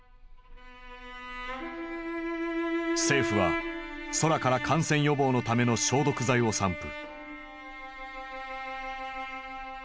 政府は空から感染予防のための消毒剤を散布。